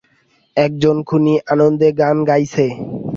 একজন খুনি আনন্দে গান গাইছে।